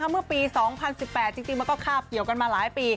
เมื่อปี๒๐๑๘จริงมันก็คาบเกี่ยวกันมาหลายปี